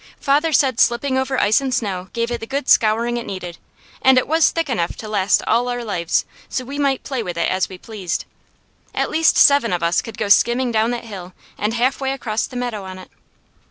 Father said slipping over ice and snow gave it the good scouring it needed, and it was thick enough to last all our lives, so we might play with it as we pleased. At least seven of us could go skimming down that hill and halfway across the meadow on it.